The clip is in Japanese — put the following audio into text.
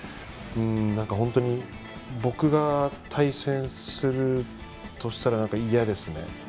本当に僕が対戦するとしたら嫌ですね。